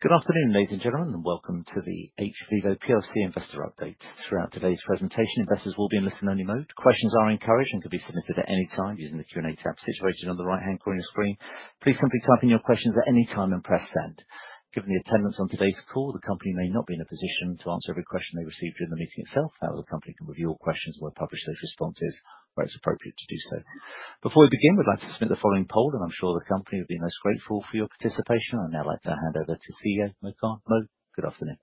Good afternoon, ladies and gentlemen, and welcome to the hVIVO PLC investor update. Throughout today's presentation, investors will be in listen-only mode. Questions are encouraged and can be submitted at any time using the Q&A tab situated on the right-hand corner of your screen. Please simply type in your questions at any time and press send. Given the attendance on today's call, the company may not be in a position to answer every question they receive during the meeting itself, however, the company can review all questions and publish those responses where it's appropriate to do so. Before we begin, we'd like to submit the following poll, and I'm sure the company will be most grateful for your participation. I'd now like to hand over to CEO Mo Khan. Good afternoon.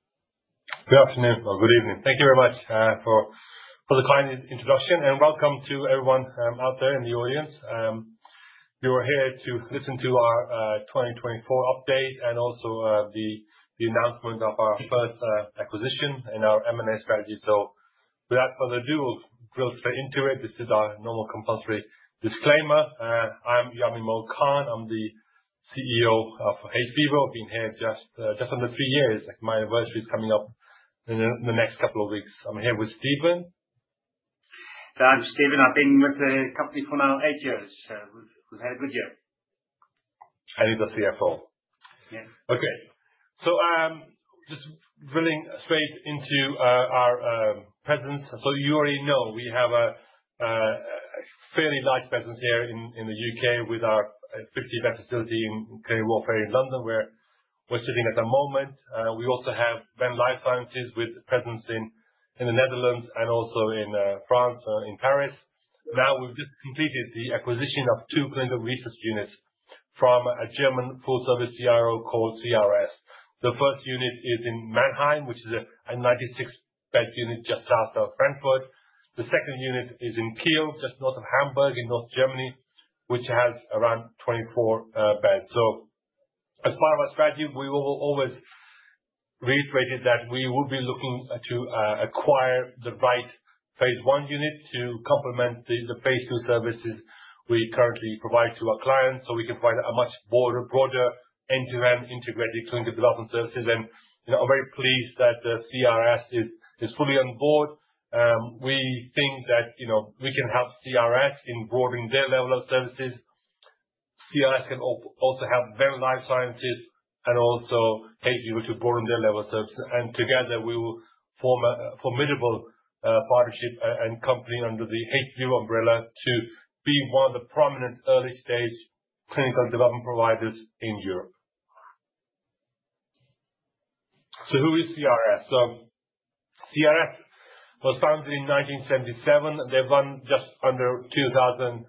Good afternoon or good evening. Thank you very much for the kind introduction, and welcome to everyone out there in the audience. You are here to listen to our 2024 update and also the announcement of our first acquisition in our M&A strategy. So, without further ado, we'll drill straight into it. This is our normal compulsory disclaimer. I'm Yamin ‘Mo’ Khan. I'm the CEO of hVIVO. I've been here just under three years. My anniversary is coming up in the next couple of weeks. I'm here with Stephen. I'm Stephen. I've been with the company for now eight years. We've had a good year. He's the CFO. Yeah. Okay. So, just drilling straight into our presence. So, you already know we have a fairly large presence here in the U.K. with our 50-bed facility in Clearwater Court in London, where we're sitting at the moment. We also have Venn Life Sciences with presence in the Netherlands and also in France, in Paris. Now, we've just completed the acquisition of two clinical research units from a German full-service CRO called CRS. The first unit is in Mannheim, which is a 96-bed unit just south of Frankfurt. The second unit is in Kiel, just north of Hamburg in northern Germany, which has around 24 beds. So, as part of our strategy, we will always reiterate that we will be looking to acquire the right Phase I unit to complement the Phase II services we currently provide to our clients so we can provide a much broader end-to-end integrated clinical development services. And I'm very pleased that CRS is fully on board. We think that we can help CRS in broadening their level of services. CRS can also help Venn Life Sciences and also hVIVO to broaden their level of services. And together, we will form a formidable partnership and company under the hVIVO umbrella to be one of the prominent early-stage clinical development providers in Europe. So, who is CRS? So, CRS was founded in 1977. They've run just under 2,000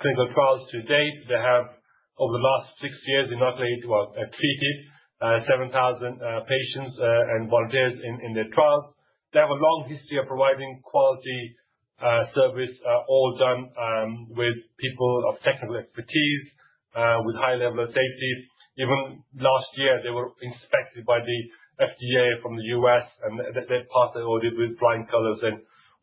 clinical trials to date. They have, over the last six years, inoculated or treated 7,000 patients and volunteers in their trials. They have a long history of providing quality service, all done with people of technical expertise, with high levels of safety. Even last year, they were inspected by the FDA from the U.S., and they passed the audit with flying colors.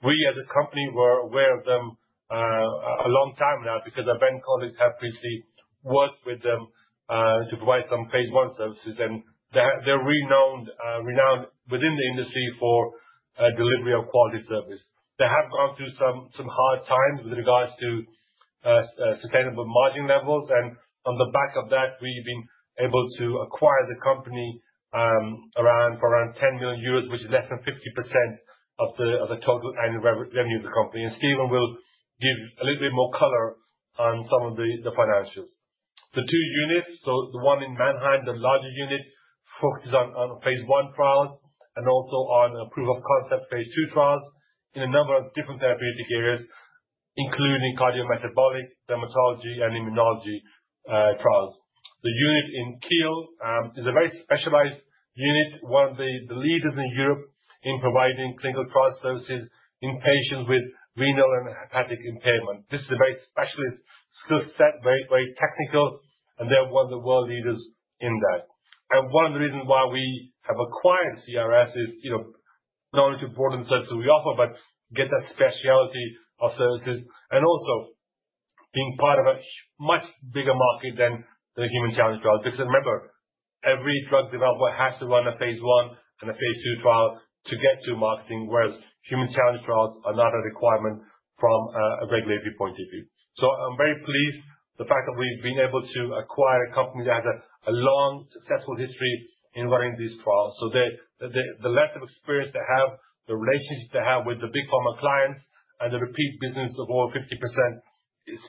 We, as a company, were aware of them a long time now because our Venn colleagues have previously worked with them to provide some Phase I services. They're renowned within the industry for delivery of quality service. They have gone through some hard times with regards to sustainable margin levels. On the back of that, we've been able to acquire the company for around 10 million euros, which is less than 50% of the total annual revenue of the company. Stephen will give a little bit more color on some of the financials. The two units, so the one in Mannheim, the larger unit, focuses on Phase I trials and also on proof-of-concept Phase II trials in a number of different therapeutic areas, including cardiometabolic, dermatology, and immunology trials. The unit in Kiel is a very specialized unit, one of the leaders in Europe in providing clinical trial services in patients with renal and hepatic impairment. This is a very specialist skill set, very technical, and they're one of the world leaders in that, and one of the reasons why we have acquired CRS is not only to broaden the services we offer, but get that specialty of services and also being part of a much bigger market than the human challenge trials. Because remember, every drug developer has to run a Phase I and a Phase II trial to get to marketing, whereas human challenge trials are not a requirement from a regulatory point of view, so I'm very pleased with the fact that we've been able to acquire a company that has a long, successful history in running these trials. So, the length of experience they have, the relationship they have with the big pharma clients, and the repeat business of over 50%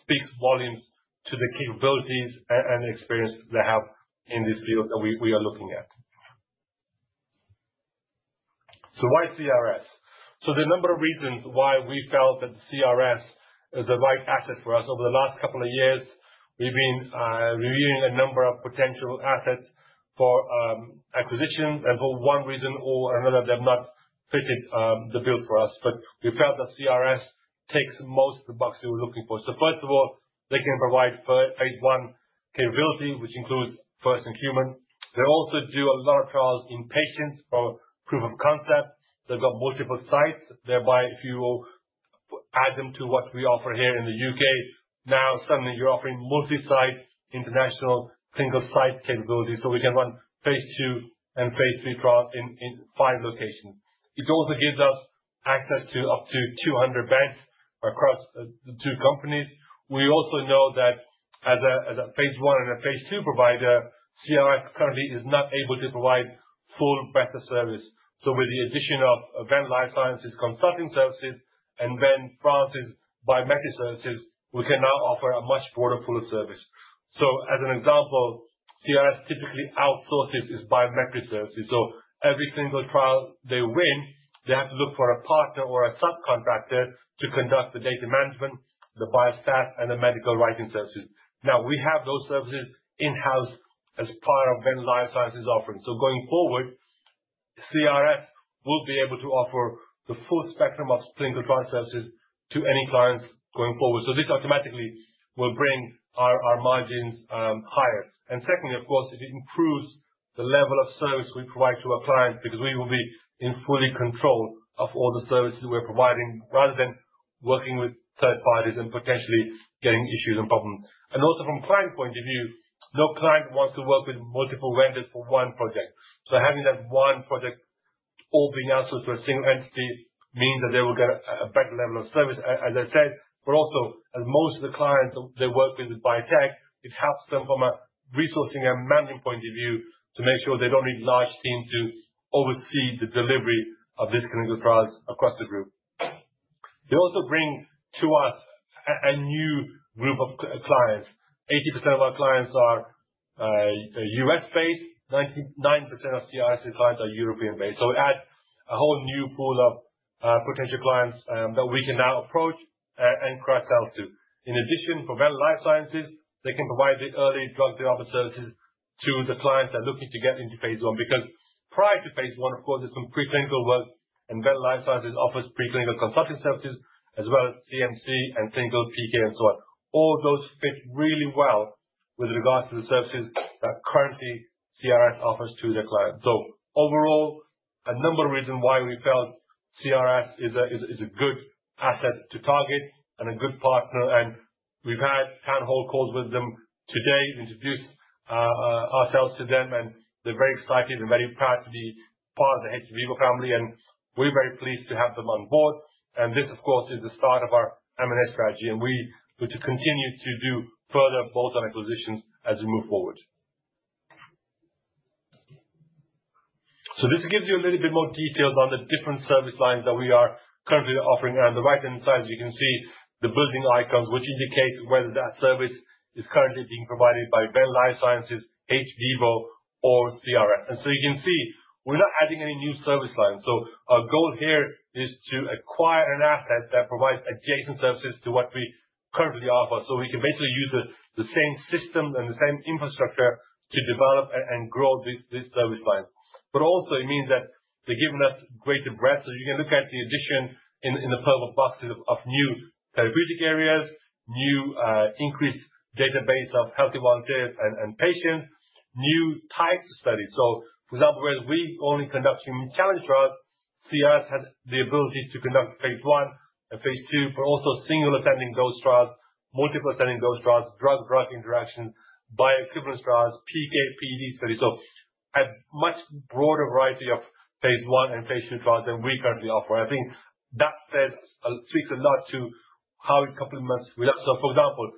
speaks volumes to the capabilities and the experience they have in this field that we are looking at. So, why CRS? So, there are a number of reasons why we felt that CRS is the right asset for us. Over the last couple of years, we've been reviewing a number of potential assets for acquisitions. And for one reason or another, they've not fitted the bill for us. But we felt that CRS ticks most of the boxes we were looking for. So, first of all, they can provide Phase I capability, which includes first in human. They also do a lot of trials in patients for proof of concept. They've got multiple sites. Thereby, if you add them to what we offer here in the U.K., now suddenly you're offering multi-site international clinical site capability. So, we can run Phase II and Phase III trials in five locations. It also gives us access to up to 200 beds across the two companies. We also know that as a Phase I and a Phase II provider, CRS currently is not able to provide full breadth of service. So, with the addition of Venn Life Sciences' consulting services and Venn France's biometric services, we can now offer a much broader pool of service. So, as an example, CRS typically outsources its biometric services. So, every single trial they win, they have to look for a partner or a subcontractor to conduct the data management, the biostats, and the medical writing services. Now, we have those services in-house as part of Venn Life Sciences' offering. Going forward, CRS will be able to offer the full spectrum of clinical trial services to any clients going forward. This automatically will bring our margins higher. Secondly, of course, it improves the level of service we provide to our clients because we will be in full control of all the services we're providing rather than working with third parties and potentially getting issues and problems. Also, from a client point of view, no client wants to work with multiple vendors for one project. Having that one project all being outsourced to a single entity means that they will get a better level of service, as I said. But also, as most of the clients they work with are biotech, it helps them from a resourcing and managing point of view to make sure they don't need a large team to oversee the delivery of these clinical trials across the group. They also bring to us a new group of clients. 80% of our clients are U.S.-based. 99% of CRS clients are European-based. So, we add a whole new pool of potential clients that we can now approach and cross-sell to. In addition, for Venn Life Sciences, they can provide the early drug developer services to the clients they're looking to get into Phase I. Because prior to Phase I, of course, there's some pre-clinical work, and Venn Life Sciences offers pre-clinical consulting services as well as CMC and clinical PK and so on. All those fit really well with regards to the services that currently CRS offers to their clients. So, overall, a number of reasons why we felt CRS is a good asset to target and a good partner. And we've had hand-holding calls with them today to introduce ourselves to them. And they're very excited and very proud to be part of the hVIVO family. And we're very pleased to have them on board. And this, of course, is the start of our M&A strategy. And we will continue to do further bolt-on acquisitions as we move forward. So, this gives you a little bit more details on the different service lines that we are currently offering. And on the right-hand side, as you can see, the building icons, which indicate whether that service is currently being provided by Venn Life Sciences, hVIVO, or CRS. And so, you can see we're not adding any new service lines. Our goal here is to acquire an assays that provides adjacent services to what we currently offer. We can basically use the same system and the same infrastructure to develop and grow these service lines. But also, it means that they're giving us greater breadth. You can look at the addition in the purple boxes of new therapeutic areas, new increased database of healthy volunteers and patients, new types of studies. For example, whereas we only conduct human challenge trials, CRS has the ability to conduct Phase I and Phase II, but also single ascending dose trials, multiple ascending dose trials, drug-drug interaction, bioequivalence trials, PK/PD studies. A much broader variety of Phase I and Phase II trials than we currently offer. I think that speaks a lot to how it complements with us. So, for example,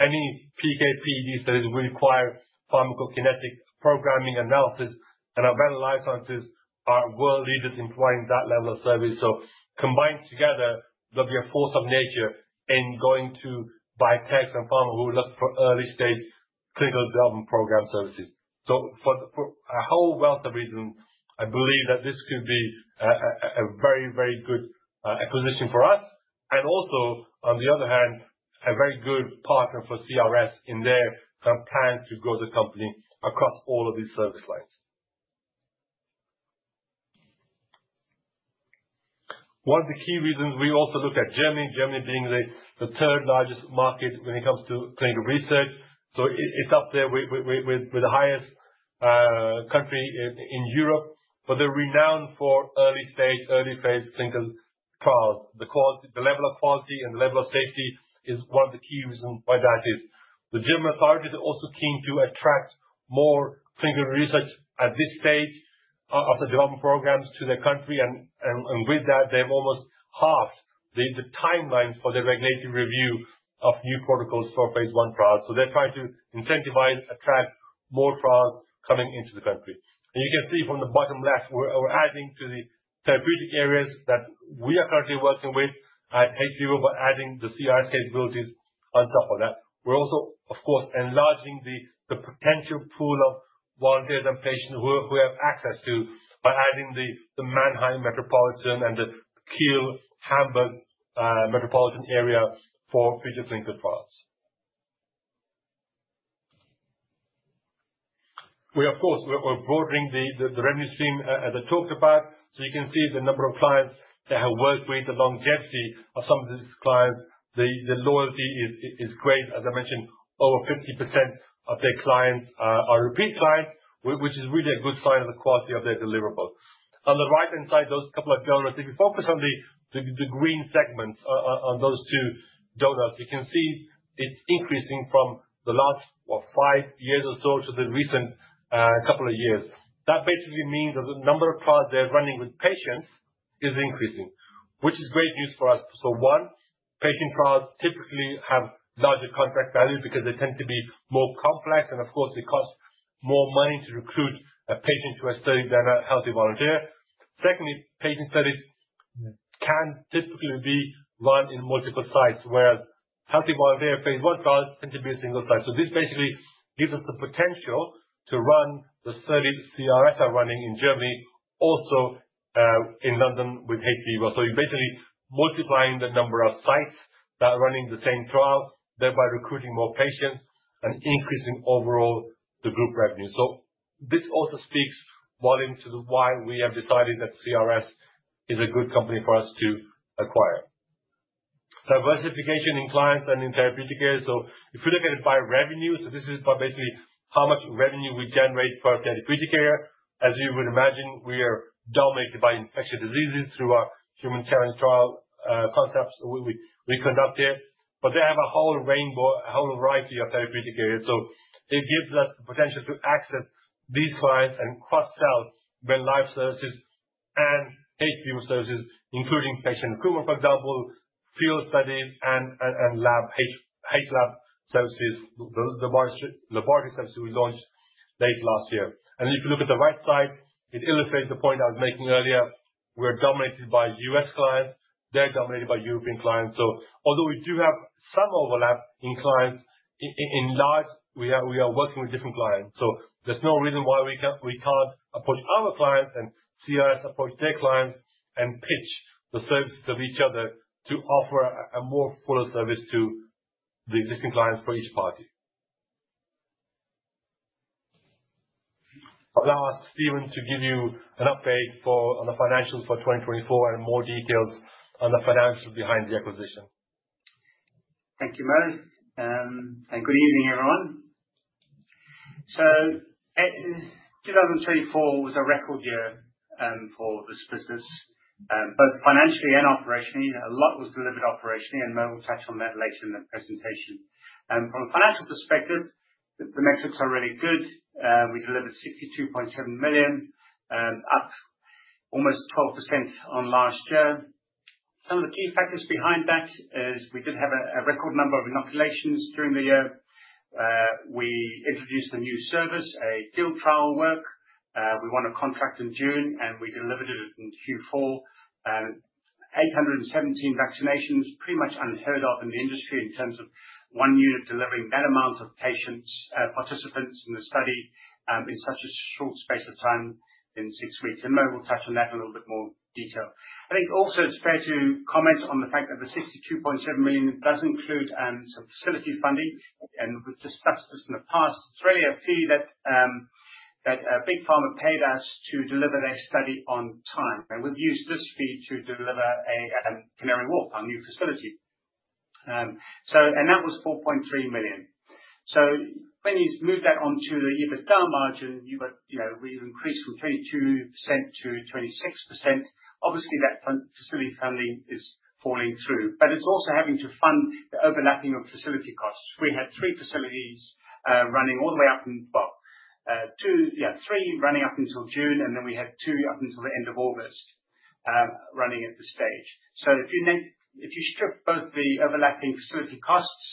any PK/PD studies will require pharmacokinetic programming analysis. And our Venn Life Sciences are world leaders in providing that level of service. So, combined together, they'll be a force of nature in going to biotechs and pharma who look for early-stage clinical development program services. So, for a whole wealth of reasons, I believe that this could be a very, very good acquisition for us. And also, on the other hand, a very good partner for CRS in their kind of plan to grow the company across all of these service lines. One of the key reasons we also look at Germany, Germany being the third largest market when it comes to clinical research. So, it's up there with the highest country in Europe. But they're renowned for early-stage, early-Phase clinical trials. The level of quality and the level of safety is one of the key reasons why that is. The German authorities are also keen to attract more clinical research at this stage of the development programs to their country. And with that, they've almost halved the timeline for the regulatory review of new protocols for Phase I trials. So, they're trying to incentivize, attract more trials coming into the country. And you can see from the bottom left, we're adding to the therapeutic areas that we are currently working with at hVIVO by adding the CRS capabilities on top of that. We're also, of course, enlarging the potential pool of volunteers and patients who have access to by adding the Mannheim metropolitan and the Kiel/Hamburg metropolitan area for future clinical trials. We, of course, we're broadening the revenue stream, as I talked about. You can see the number of clients that have worked with the longevity of some of these clients. The loyalty is great. As I mentioned, over 50% of their clients are repeat clients, which is really a good sign of the quality of their deliverables. On the right-hand side, those couple of donuts, if you focus on the green segments on those two donuts, you can see it's increasing from the last five years or so to the recent couple of years. That basically means that the number of trials they're running with patients is increasing, which is great news for us. One, patient trials typically have larger contract value because they tend to be more complex, and of course, it costs more money to recruit a patient to a study than a healthy volunteer. Secondly, patient studies can typically be run in multiple sites, whereas healthy volunteer Phase I trials tend to be a single site. So, this basically gives us the potential to run the study CRS are running in Germany, also in London with hVIVO. So, you're basically multiplying the number of sites that are running the same trial, thereby recruiting more patients and increasing overall the group revenue. So, this also speaks volumes to why we have decided that CRS is a good company for us to acquire. Diversification in clients and in therapeutic areas. So, if you look at it by revenue, so this is basically how much revenue we generate per therapeutic area. As you would imagine, we are dominated by infectious diseases through our human challenge trial concepts we conduct here. But they have a whole rainbow, a whole variety of therapeutic areas. It gives us the potential to access these clients and cross-sell Venn Life Sciences and hVIVO services, including patient recruitment, for example, field studies and lab hLAB services, the laboratory services we launched late last year. And if you look at the right side, it illustrates the point I was making earlier. We're dominated by U.S. clients. They're dominated by European clients. So, although we do have some overlap in clients in large, we are working with different clients. So, there's no reason why we can't approach our clients and CRS approach their clients and pitch the services of each other to offer a more full of service to the existing clients for each party. I'll now ask Stephen to give you an update on the financials for 2024 and more details on the financials behind the acquisition. Thank you, Mo. And good evening, everyone. 2024 was a record year for this business, both financially and operationally. A lot was delivered operationally, and I will touch on that later in the presentation. From a financial perspective, the metrics are really good. We delivered 62.7 million, up almost 12% on last year. Some of the key factors behind that is we did have a record number of inoculations during the year. We introduced a new service, a field trial work. We won a contract in June, and we delivered it in Q4. 817 vaccinations, pretty much unheard of in the industry in terms of one unit delivering that amount of patients, participants in the study in such a short space of time in six weeks. And Mo, we'll touch on that in a little bit more detail. I think also it's fair to comment on the fact that the 62.7 million does include some facility funding. And we've discussed this in the past. It's really a fee that a big pharma paid us to deliver their study on time. And we've used this fee to deliver a Canary Wharf, our new facility. So, and that was 4.3 million. So, when you move that onto the EBITDA margin, we've increased from 22% to 26%. Obviously, that facility funding is falling through. But it's also having to fund the overlapping of facility costs. We had three facilities running all the way up until Q3, running up until June, and then we had two up until the end of August running at this stage. If you strip both the overlapping facility costs,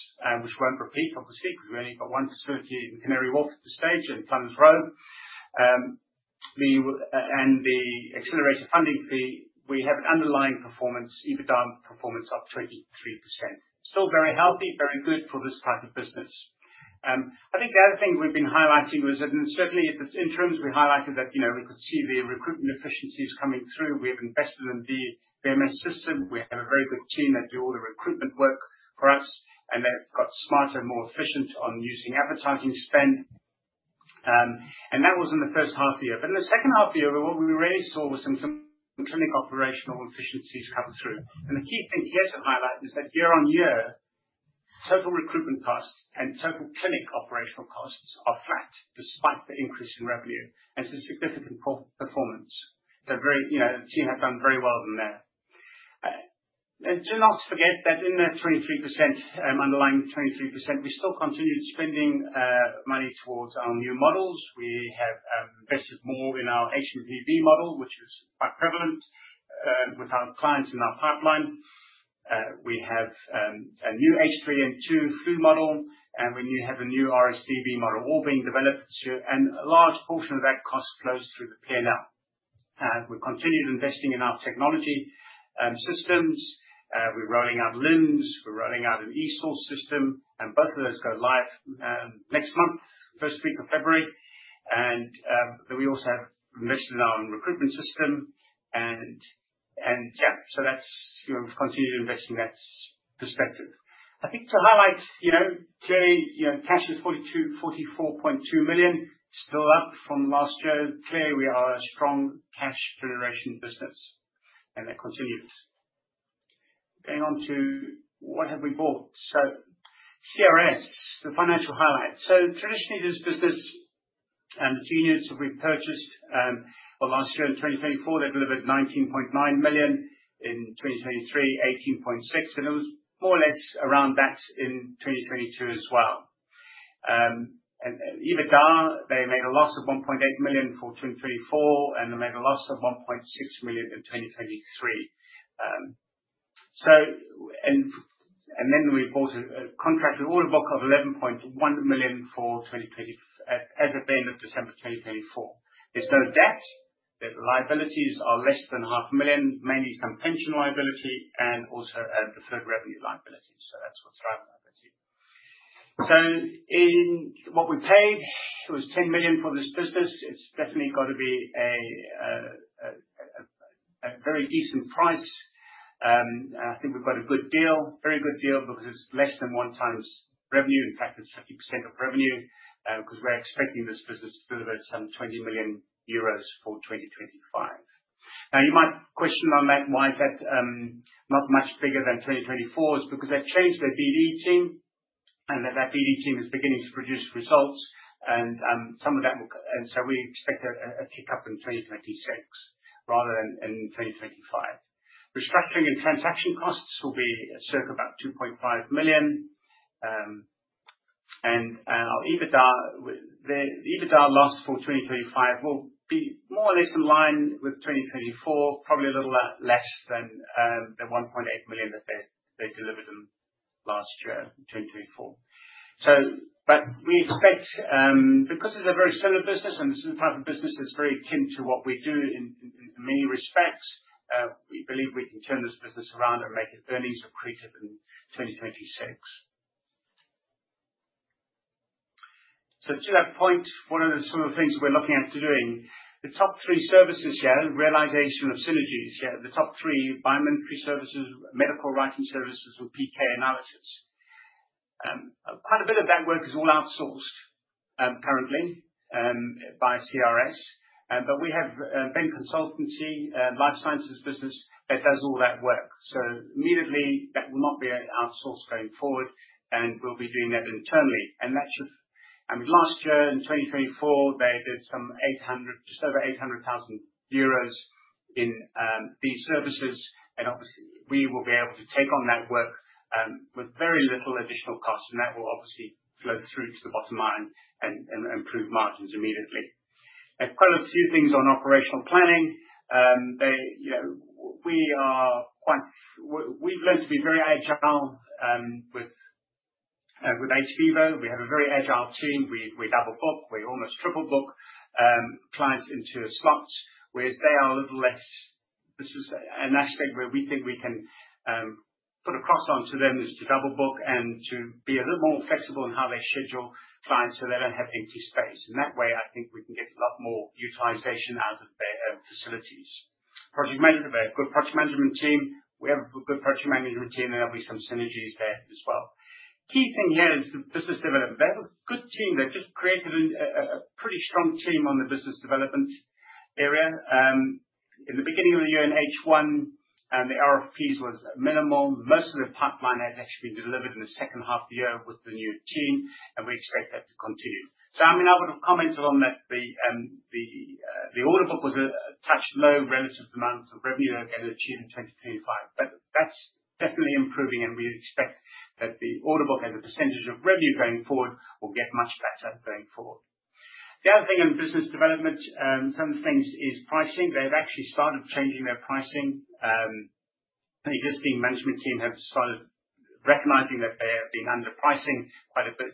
which won't repeat, obviously, because we only got one facility in Canary Wharf at this stage and Plumbers Row, and the accelerator funding fee, we have an underlying performance, EBITDA performance of 23%. Still very healthy, very good for this type of business. I think the other thing we've been highlighting was that certainly at the interims, we highlighted that we could see the recruitment efficiencies coming through. We have invested in the VMS system. We have a very good team that do all the recruitment work for us. And they've got smarter, more efficient on using advertising spend. And that was in the first half of the year. But in the second half of the year, what we really saw was some clinic operational efficiencies come through. And the key thing here to highlight is that year on year, total recruitment costs and total clinic operational costs are flat despite the increase in revenue. And it's a significant performance. The team have done very well in there. And to not forget that in that 23%, underlying 23%, we still continued spending money towards our new models. We have invested more in our hMPV model, which is quite prevalent with our clients in our pipeline. We have a new H3N2 flu model, and we have a new RSV B model all being developed. And a large portion of that cost flows through the P&L. We're continued investing in our technology systems. We're rolling out LIMS. We're rolling out an eSource system. And both of those go live next month, first week of February. And we also have invested in our recruitment system. Yeah, so we've continued investing in that perspective. I think to highlight, clearly, cash is 44.2 million, still up from last year. Clearly, we are a strong cash generation business, and that continues. Going on to what have we bought? So, CRS, the financial highlights. So, traditionally, this business, a few units have we purchased. Last year in 2024, they delivered €19.9 million. In 2023, €18.6 million. And it was more or less around that in 2022 as well. And EBITDA, they made a loss of €1.8 million for 2024, and they made a loss of €1.6 million in 2023. So, and then we bought it at an enterprise value of €11.1 million as of the end of December 2024. There's no debt. The liabilities are less than €0.5 million, mainly some pension liability and also a deferred revenue liability. So, that's what's driving that budget. In what we paid, it was 10 million for this business. It's definitely got to be a very decent price. I think we've got a good deal, very good deal, because it's less than one time's revenue. In fact, it's 50% of revenue because we're expecting this business to deliver some 20 million euros for 2025. Now, you might question on that, why is that not much bigger than 2024? It's because they've changed their BD team, and that BD team is beginning to produce results. Some of that will, and so we expect a pick-up in 2026 rather than in 2025. Restructuring and transaction costs will be circa about 2.5 million. Our EBITDA, the EBITDA loss for 2025 will be more or less in line with 2024, probably a little less than the 1.8 million that they delivered in last year, 2024. So, but we expect, because it is a very similar business, and this is the type of business that is very akin to what we do in many respects, we believe we can turn this business around and make earnings accretive in 2026. To that point, what are some of the things we are looking at doing? The top three services here, realization of synergies here, the top three biomedical services, medical writing services, and PK analysis. Quite a bit of that work is all outsourced currently by CRS. But we have Venn Life Sciences, a life sciences business that does all that work. So, immediately, that will not be outsourced going forward, and we will be doing that internally. And that should, and last year in 2024, they did some 800, just over 800,000 euros in these services. And obviously, we will be able to take on that work with very little additional costs. And that will obviously flow through to the bottom line and improve margins immediately. I've quoted a few things on operational planning. We are quite, we've learned to be very agile with hVIVO. We have a very agile team. We double book. We almost triple book clients into slots, whereas they are a little less. This is an aspect where we think we can put across to them is to double book and to be a little more flexible in how they schedule clients so they don't have empty space. And that way, I think we can get a lot more utilization out of their facilities. Project management, a good project management team. We have a good project management team, and there'll be some synergies there as well. Key thing here is the business development. They have a good team. They've just created a pretty strong team on the business development area. In the beginning of the year in H1, the RFPs was minimal. Most of the pipeline has actually been delivered in the second half of the year with the new team, and we expect that to continue. So, I mean, I would have commented on that the order book was a touch low relative to the amount of revenue they're going to achieve in 2025. But that's definitely improving, and we expect that the order book as a percentage of revenue going forward will get much better going forward. The other thing in business development, some of the things is pricing. They've actually started changing their pricing. The existing management team have started recognizing that they have been underpricing quite a bit.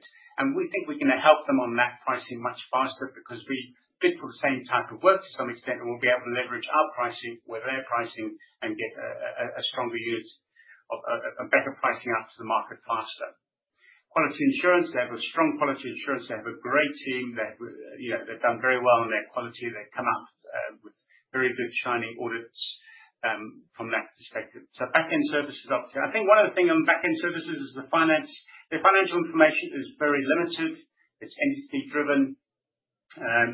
We think we can help them on that pricing much faster because we bid for the same type of work to some extent, and we'll be able to leverage our pricing with their pricing and get a stronger unit, a better pricing out to the market faster. Quality assurance, they have a strong quality assurance. They have a great team. They have done very well in their quality. They have come up with very good shining audits from that perspective. Back-end services, obviously. I think one of the things on back-end services is the finance. The financial information is very limited. It is entity-driven.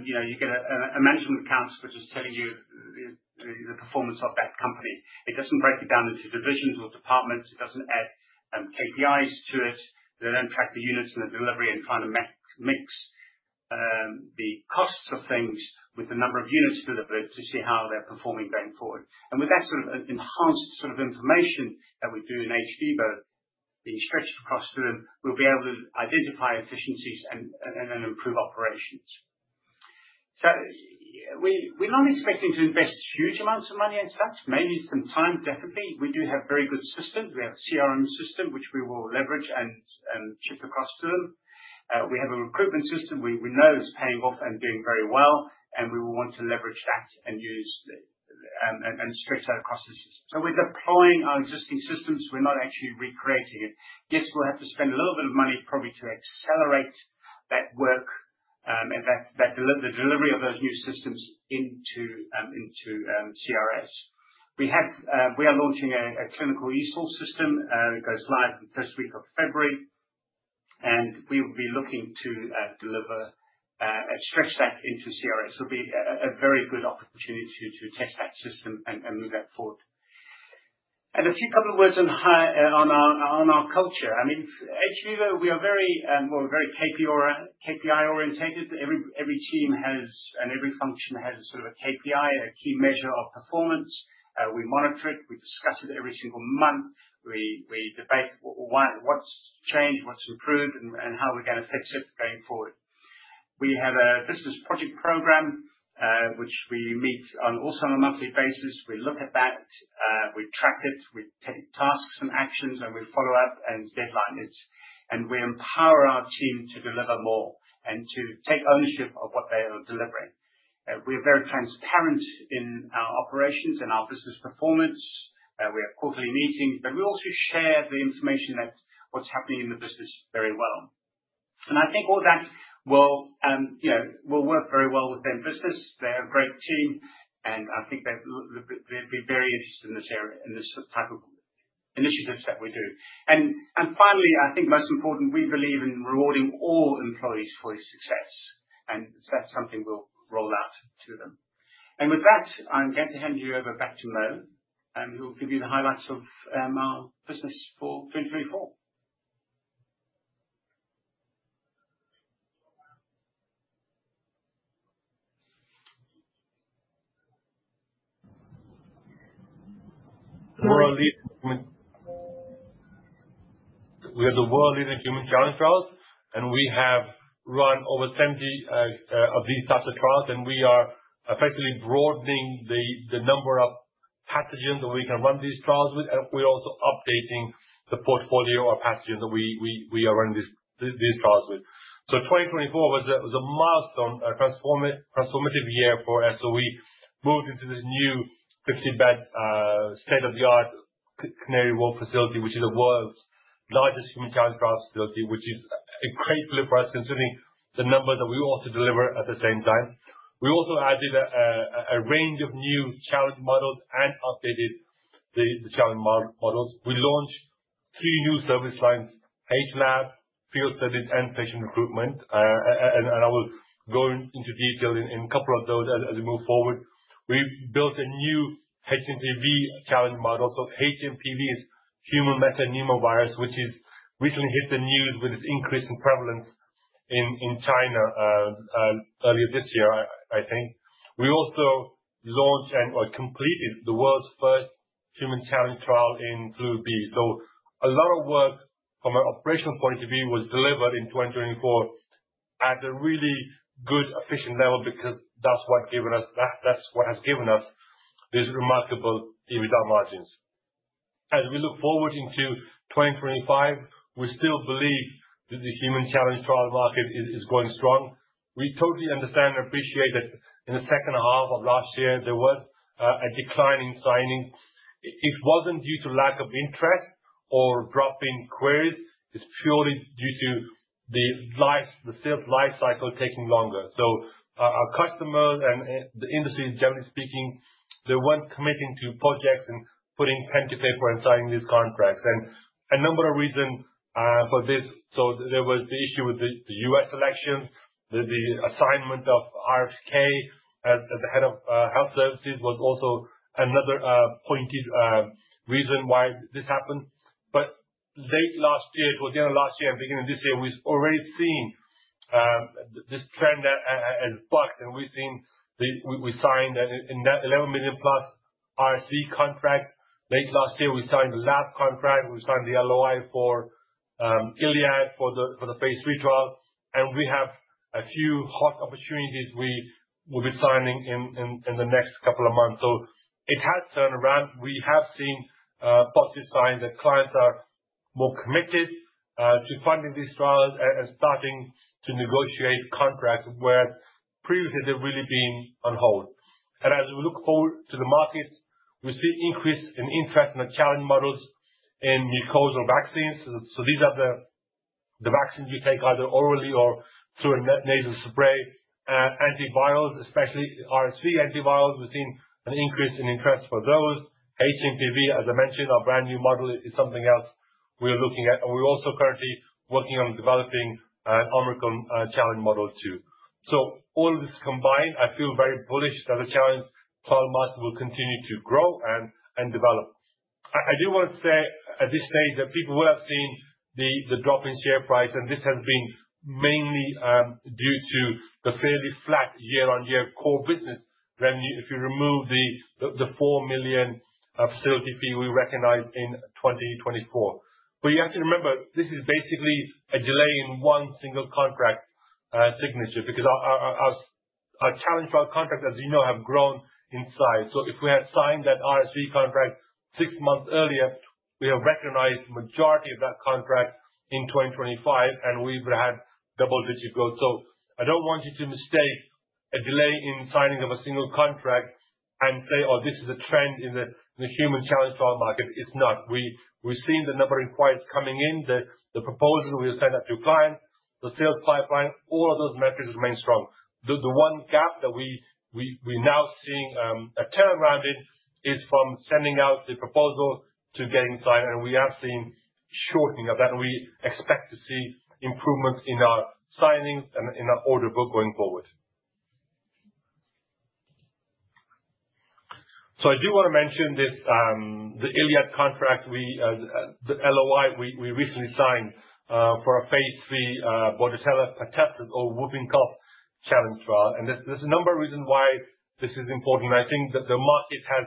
You get a management account, which is telling you the performance of that company. It does not break it down into divisions or departments. It does not add KPIs to it. They don't track the units and the delivery and try to mix the costs of things with the number of units delivered to see how they're performing going forward. And with that sort of enhanced sort of information that we do in hVIVO, being stretched across to them, we'll be able to identify efficiencies and improve operations. So, we're not expecting to invest huge amounts of money in stocks. Maybe some time, definitely. We do have very good systems. We have a CRM system, which we will leverage and ship across to them. We have a recruitment system we know is paying off and doing very well. And we will want to leverage that and stretch that across the system. So, we're deploying our existing systems. We're not actually recreating it. Yes, we'll have to spend a little bit of money probably to accelerate that work and the delivery of those new systems into CRS. We are launching a clinical eSource system. It goes live in the first week of February. And we will be looking to deliver and stretch that into CRS. It will be a very good opportunity to test that system and move that forward. And a few couple of words on our culture. I mean, hVIVO, we are very KPI-oriented. Every team has and every function has sort of a KPI, a key measure of performance. We monitor it. We discuss it every single month. We debate what's changed, what's improved, and how we're going to fix it going forward. We have a business project program, which we meet also on a monthly basis. We look at that. We track it. We take tasks and actions, and we follow up and deadline it. And we empower our team to deliver more and to take ownership of what they are delivering. We're very transparent in our operations and our business performance. We have quarterly meetings, but we also share the information that what's happening in the business very well. And I think all that will work very well within business. They're a great team. And I think they'd be very interested in this type of initiatives that we do. And finally, I think most important, we believe in rewarding all employees for success. And that's something we'll roll out to them. And with that, I'm going to hand you over back to Mo, who will give you the highlights of our business for 2024. We're the world-leading human challenge trials. And we have run over 70 of these types of trials. And we are effectively broadening the number of pathogens that we can run these trials with. And we're also updating the portfolio of pathogens that we are running these trials with. So, 2024 was a milestone, a transformative year for us. So, we moved into this new 50-bed state-of-the-art Canary Wharf facility, which is the world's largest human challenge trial facility, which is a great relief for us considering the numbers that we also deliver at the same time. We also added a range of new challenge models and updated the challenge models. We launched three new service lines: hLAB, field studies, and patient recruitment. And I will go into detail in a couple of those as we move forward. We built a new hMPV challenge model. So, hMPV is human metapneumovirus, which has recently hit the news with its increase in prevalence in China earlier this year, I think. We also launched and completed the world's first human challenge trial in Flu B. So, a lot of work from an operational point of view was delivered in 2024 at a really good, efficient level because that's what has given us these remarkable EBITDA margins. As we look forward into 2025, we still believe that the human challenge trial market is going strong. We totally understand and appreciate that in the second half of last year, there was a decline in signing. It wasn't due to lack of interest or drop-in queries. It's purely due to the sales life cycle taking longer. So, our customers and the industry, generally speaking, they weren't committing to projects and putting pen to paper and signing these contracts. And a number of reasons for this. So, there was the issue with the U.S. elections. The assignment of RFK as the head of Health and Human Services was also another pointed reason why this happened. But late last year, towards the end of last year and beginning of this year, we've already seen this trend has bucked. And we've seen we signed a 11 million-plus RSV contract. Late last year, we signed a lab contract. We signed the LOI for ILiAD for the Phase III trial. And we have a few hot opportunities we'll be signing in the next couple of months. So, it has turned around. We have seen positive signs that clients are more committed to funding these trials and starting to negotiate contracts where previously they've really been on hold. And as we look forward to the markets, we see an increase in interest in the challenge models in mucosal vaccines. So, these are the vaccines you take either orally or through a nasal spray. Antivirals, especially RSV antivirals, we've seen an increase in interest for those. hMPV, as I mentioned, our brand new model is something else we're looking at. And we're also currently working on developing an Omicron challenge model too. So, all of this combined, I feel very bullish that the challenge trial market will continue to grow and develop. I do want to say at this stage that people will have seen the drop in share price. And this has been mainly due to the fairly flat year-on-year core business revenue if you remove the 4 million facility fee we recognized in 2024. But you have to remember, this is basically a delay in one single contract signature because our challenge trial contracts, as you know, have grown in size. So, if we had signed that RSV contract six months earlier, we have recognized the majority of that contract in 2025, and we would have had double-digit growth. So, I don't want you to mistake a delay in signing of a single contract and say, "Oh, this is a trend in the human challenge trial market." It's not. We've seen the number of inquiries coming in, the proposals we have sent out to clients, the sales pipeline, all of those metrics remain strong. The one gap that we're now seeing a turnaround in is from sending out the proposal to getting signed. And we have seen shortening of that. And we expect to see improvements in our signings and in our order book going forward. I do want to mention this, the ILiAD contract, the LOI we recently signed for a Phase III Bordetella pertussis or whooping cough challenge trial. There's a number of reasons why this is important. I think that the market has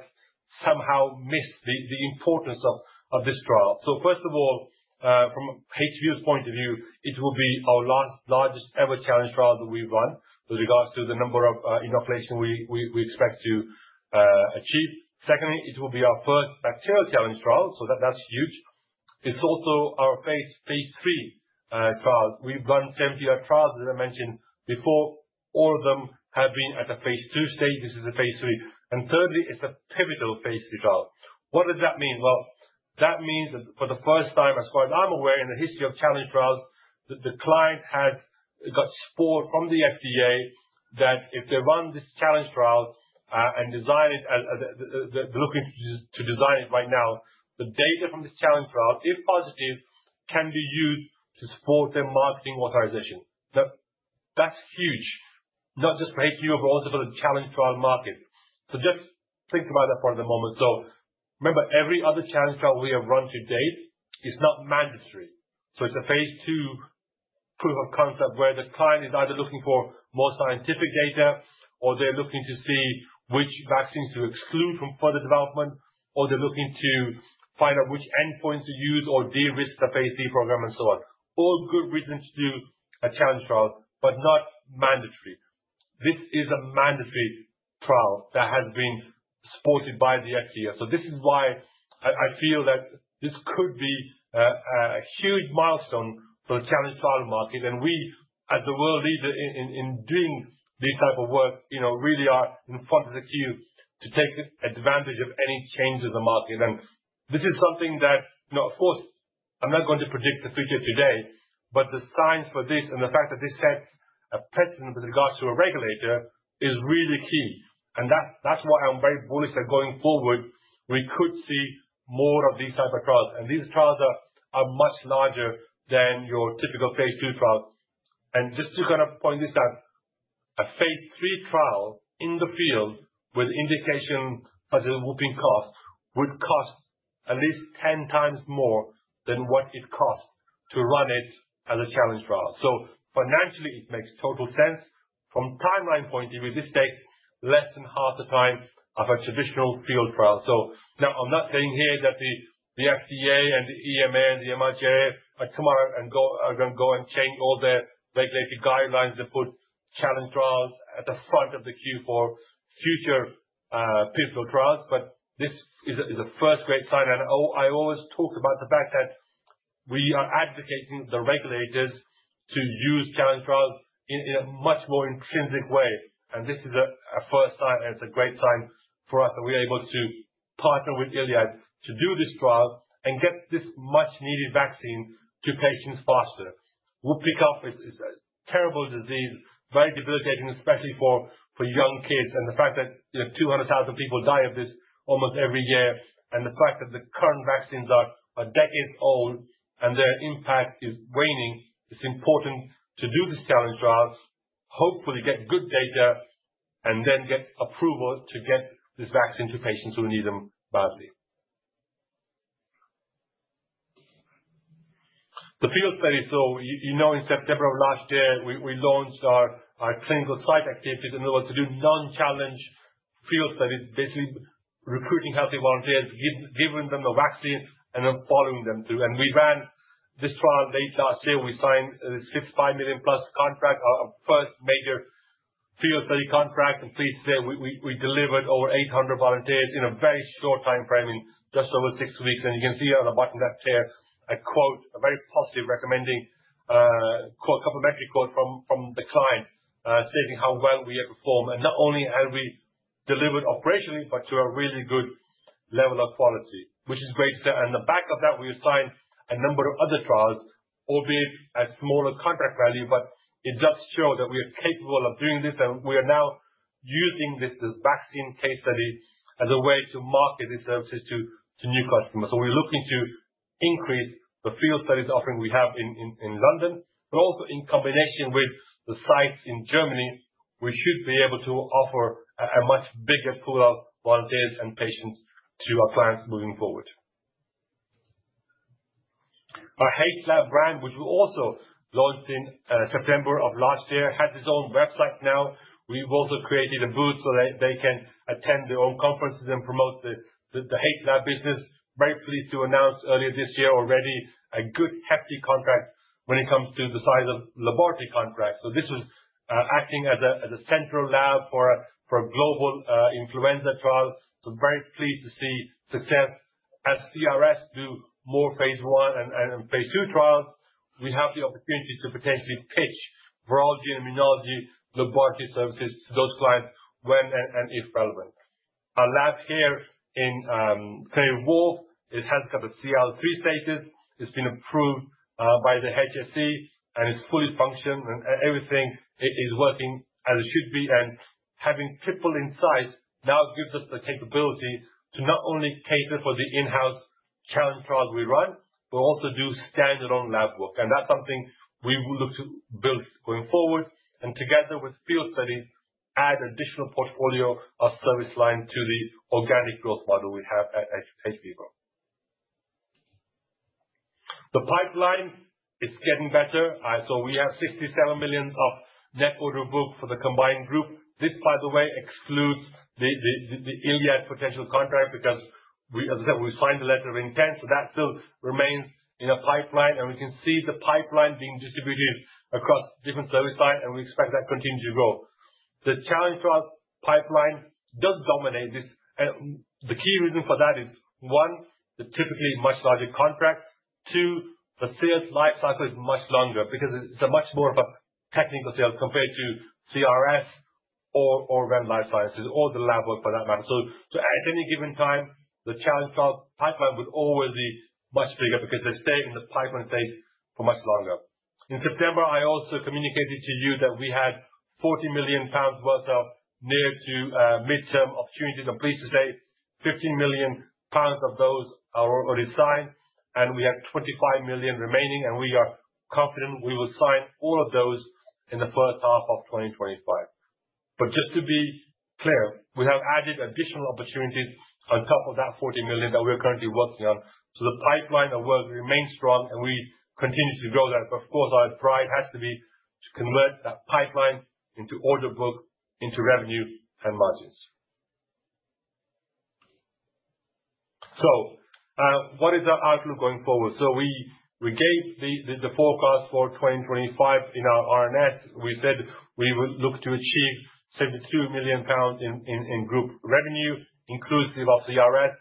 somehow missed the importance of this trial. First of all, from hVIVO's point of view, it will be our largest ever challenge trial that we've run with regards to the number of inoculation we expect to achieve. Secondly, it will be our first bacterial challenge trial. That's huge. It's also our Phase III trial. We've run 70 trials, as I mentioned before. All of them have been at a Phase II stage. This is a Phase III. Thirdly, it's a pivotal Phase III trial. What does that mean? Well, that means that for the first time, as far as I'm aware in the history of challenge trials, the client has got support from the FDA that if they run this challenge trial and design it, they're looking to design it right now, the data from this challenge trial, if positive, can be used to support their marketing authorization. Now, that's huge, not just for hVIVO, but also for the challenge trial market. So, just think about that for the moment. So, remember, every other challenge trial we have run to date is not mandatory. So, it's a Phase II proof of concept where the client is either looking for more scientific data, or they're looking to see which vaccines to exclude from further development, or they're looking to find out which endpoints to use or de-risk the Phase III program, and so on. All good reasons to do a challenge trial, but not mandatory. This is a mandatory trial that has been supported by the FDA, so this is why I feel that this could be a huge milestone for the challenge trial market, and we, as the world leader in doing this type of work, really are in front of the queue to take advantage of any changes in the market, and this is something that, of course, I'm not going to predict the future today, but the signs for this and the fact that this sets a precedent with regards to a regulator is really key, and that's why I'm very bullish that going forward, we could see more of these types of trials, and these trials are much larger than your typical Phase II trials. Just to kind of point this out, a Phase III trial in the field with indication such as whooping cough would cost at least 10 times more than what it costs to run it as a challenge trial. So, financially, it makes total sense. From a timeline point of view, this takes less than half the time of a traditional field trial. So, now, I'm not saying here that the FDA and the EMA and the MHRA aren't tomorrow and are going to go and change all their regulatory guidelines and put challenge trials at the front of the queue for future pivotal trials. But this is a first great sign. And I always talk about the fact that we are advocating the regulators to use challenge trials in a much more intrinsic way. This is a first sign, and it's a great sign for us that we're able to partner with ILiAD to do this trial and get this much-needed vaccine to patients faster. Whooping cough is a terrible disease, very debilitating, especially for young kids. The fact that 200,000 people die of this almost every year, and the fact that the current vaccines are decades old and their impact is waning, it's important to do these challenge trials, hopefully get good data, and then get approval to get this vaccine to patients who need them badly. The field study, so you know, in September of last year, we launched our clinical site activities in order to do non-challenge field studies, basically recruiting healthy volunteers, giving them the vaccine, and then following them through. We ran this trial late last year. We signed this five million plus contract, our first major field study contract. And please see, we delivered over 800 volunteers in a very short time frame in just over six weeks. And you can see on the bottom left here, a quote, a very positive recommending quote, a couple of metric quotes from the client stating how well we have performed. And not only have we delivered operationally, but to a really good level of quality, which is great to say. And on the back of that, we assigned a number of other trials, albeit at smaller contract value, but it does show that we are capable of doing this. And we are now using this vaccine case study as a way to market these services to new customers. We're looking to increase the field studies offering we have in London, but also in combination with the sites in Germany, we should be able to offer a much bigger pool of volunteers and patients to our clients moving forward. Our hLAB brand, which we also launched in September of last year, has its own website now. We've also created a booth so they can attend their own conferences and promote the hLAB business. Very pleased to announce earlier this year already a good hefty contract when it comes to the size of laboratory contracts. This was acting as a central lab for a global influenza trial. Very pleased to see success as CRS do more Phase I and Phase II trials. We have the opportunity to potentially pitch virology and immunology laboratory services to those clients when and if relevant. Our lab here in Canary Wharf, it has got a CL3 status. It's been approved by the HSE, and it's fully functional. And everything is working as it should be. And having people on site now gives us the capability to not only cater for the in-house challenge trials we run, but also do standalone lab work. And that's something we will look to build going forward. And together with field studies, add additional portfolio of service lines to the organic growth model we have at hVIVO. The pipeline is getting better. So, we have 67 million of net order book for the combined group. This, by the way, excludes the ILiAD potential contract because, as I said, we signed the letter of intent. So, that still remains in a pipeline. And we can see the pipeline being distributed across different service lines. We expect that to continue to grow. The challenge trial pipeline does dominate this. The key reason for that is, one, the typically much larger contract. Two, the sales life cycle is much longer because it's much more of a technical sales compared to CRS or Venn Life Sciences or the lab work for that matter. So, at any given time, the challenge trial pipeline would always be much bigger because they stay in the pipeline Phase for much longer. In September, I also communicated to you that we had 40 million pounds worth of near to midterm opportunities. I'm pleased to say 15 million pounds of those are already signed. We have 25 million remaining. We are confident we will sign all of those in the first half of 2025. But just to be clear, we have added additional opportunities on top of that 40 million that we are currently working on. So, the pipeline of work remains strong. And we continue to grow that. But of course, our pride has to be to convert that pipeline into order book, into revenue and margins. So, what is our outlook going forward? So, we gave the forecast for 2025 in our RNS. We said we would look to achieve 72 million pounds in group revenue, inclusive of CRS.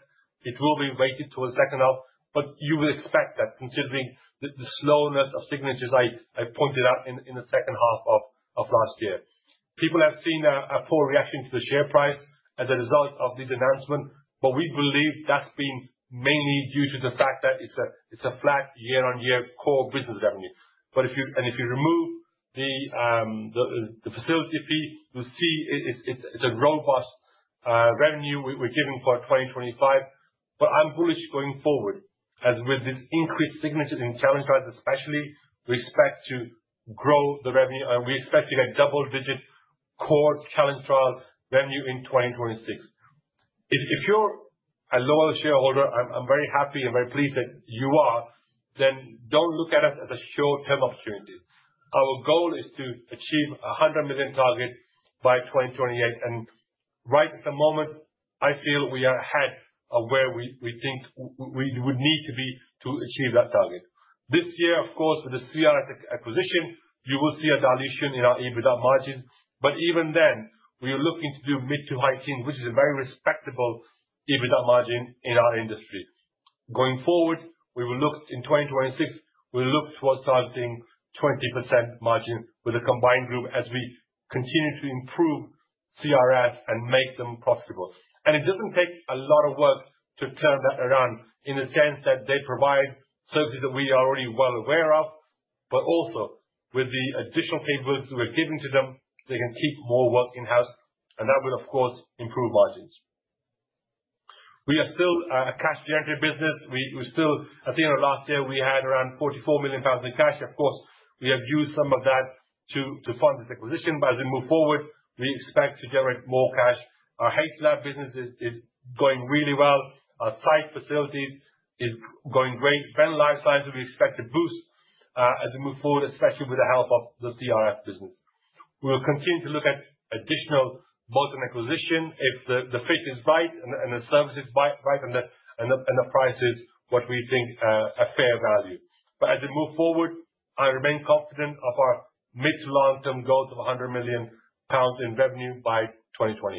It will be weighted till the second half. But you would expect that considering the slowness of signatures I pointed out in the second half of last year. People have seen a poor reaction to the share price as a result of this announcement. But we believe that's been mainly due to the fact that it's a flat year-on-year core business revenue. But if you remove the facility fee, you'll see it's a robust revenue we're giving for 2025. But I'm bullish going forward as with this increased signatures in challenge trials, especially we expect to grow the revenue. And we expect to get double-digit core challenge trial revenue in 2026. If you're a loyal shareholder, I'm very happy and very pleased that you are, then don't look at us as a short-term opportunity. Our goal is to achieve a 100 million target by 2028. And right at the moment, I feel we are ahead of where we think we would need to be to achieve that target. This year, of course, with the CRS acquisition, you will see a dilution in our EBITDA margins. But even then, we are looking to do mid to high teens, which is a very respectable EBITDA margin in our industry. Going forward, we will look in 2026. We'll look towards targeting 20% margin with a combined group as we continue to improve CRS and make them profitable. And it doesn't take a lot of work to turn that around in the sense that they provide services that we are already well aware of. But also, with the additional capabilities we're giving to them, they can keep more work in-house. And that will, of course, improve margins. We are still a cash-generative business. At the end of last year, we had around 44 million pounds in cash. Of course, we have used some of that to fund this acquisition. But as we move forward, we expect to generate more cash. Our hLAB business is going really well. Our site facilities are going great. Our life sciences, we expect to boost as we move forward, especially with the help of the CRS business. We will continue to look at additional bolt-on acquisition if the fit is right and the service is right and the price is what we think is a fair value. But as we move forward, I remain confident of our mid- to long-term goal of 100 million pounds in revenue by 2028.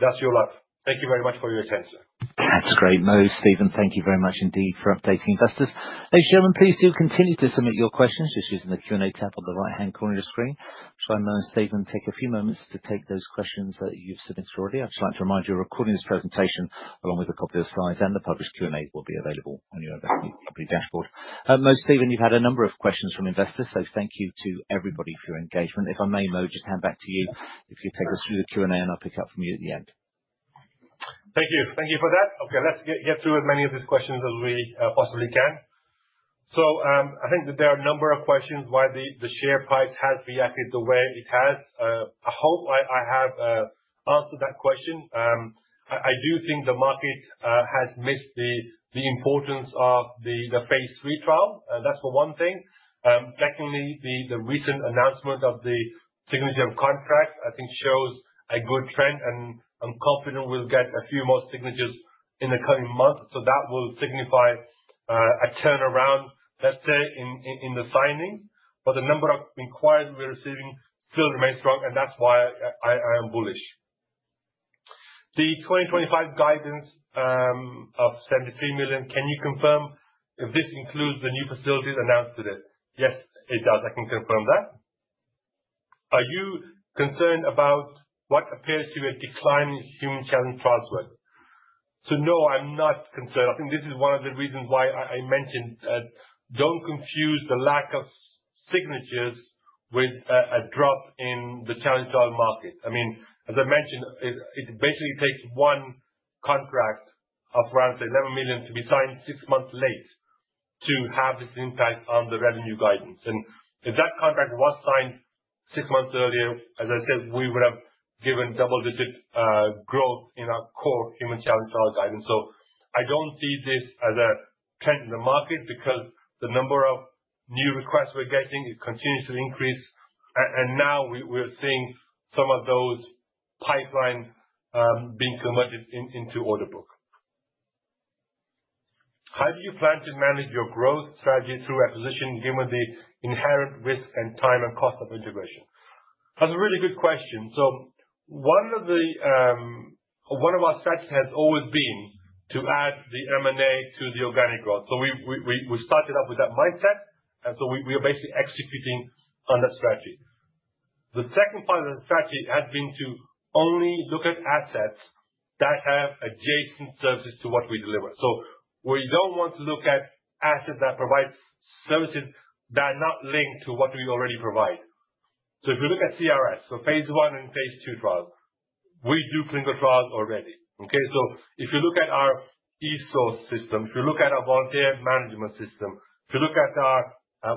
That's the life. Thank you very much for your attention. That's great. Mo, Stephen, thank you very much indeed for updating investors. Ladies and gentlemen, please do continue to submit your questions. Just using the Q&A tab on the right-hand corner of your screen, I'll try and have Mo and Stephen take a few moments to take those questions that you've submitted already. I'd just like to remind you we're recording this presentation along with a copy of the slides and the published Q&A will be available on your company dashboard. Mo, Stephen, you've had a number of questions from investors. So, thank you to everybody for your engagement. If I may, Mo, just hand back to you if you take us through the Q&A and I'll pick up from you at the end. Thank you. Thank you for that. Okay, let's get through as many of these questions as we possibly can. So, I think that there are a number of questions why the share price has reacted the way it has. I hope I have answered that question. I do think the market has missed the importance of the Phase III trial. That's for one thing. Secondly, the recent announcement of the signature of contracts I think shows a good trend. And I'm confident we'll get a few more signatures in the coming months. So, that will signify a turnaround, let's say, in the signings. But the number of inquiries we're receiving still remains strong. And that's why I am bullish. The 2025 guidance of 73 million, can you confirm if this includes the new facilities announced today? Yes, it does. I can confirm that. Are you concerned about what appears to be a decline in human challenge trials work? So, no, I'm not concerned. I think this is one of the reasons why I mentioned don't confuse the lack of signatures with a drop in the challenge trial market. I mean, as I mentioned, it basically takes one contract of around 11 million to be signed six months late to have this impact on the revenue guidance. And if that contract was signed six months earlier, as I said, we would have given double-digit growth in our core human challenge trial guidance. So, I don't see this as a trend in the market because the number of new requests we're getting, it continues to increase. And now we're seeing some of those pipelines being converted into order book. How do you plan to manage your growth strategy through acquisition given the inherent risk and time and cost of integration? That's a really good question. So, one of our strategies has always been to add the M&A to the organic growth. So, we started off with that mindset. And so, we are basically executing on that strategy. The second part of the strategy has been to only look at assays that have adjacent services to what we deliver. So, we don't want to look at assays that provide services that are not linked to what we already provide. So, if you look at CRS, so Phase I and Phase II trials, we do clinical trials already. Okay, so if you look at our eSource system, if you look at our volunteer management system, if you look at our